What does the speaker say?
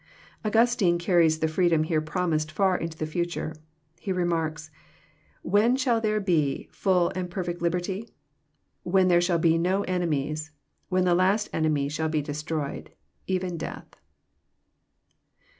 Augustine carries the freedom here promised far into the future. He remarks, " When shall there be fall and perfect liberty? When there shall be no enemies, when the last ene my shall be destroyed, even death."